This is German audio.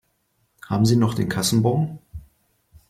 Haben Sie noch den Kassenbon?